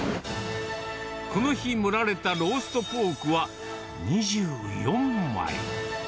この日、盛られたローストポークは２４枚。